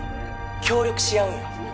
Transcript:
協力し合うんよ